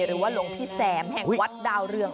หรือว่าหลวงพี่แสมแห่งวัดดาวเรือง